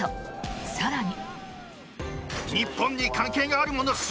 更に。